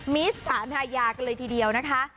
มิสสารทายากันเลยทีเดียวนะคะ